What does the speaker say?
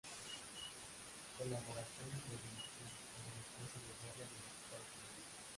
Colaboración y coordinación con el esfuerzo de guerra de los Estados Unidos.